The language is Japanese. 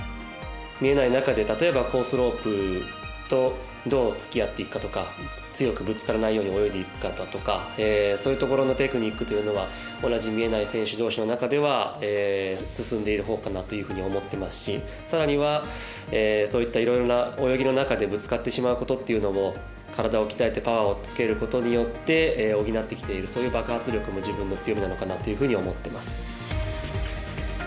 見えない中で例えばコースロープとどうつきあっていくかとか強くぶつからないように泳いでいくかだとかそういうところのテクニックというのは同じ見えない選手同士の中では進んでいるほうかなというふうに思っていますしさらには、そういったいろいろな泳ぎの中でぶつかってしまうことというのも体を鍛えてパワーをつけることによって補ってきているそういう爆発力も自分の強みなのかなと思っています。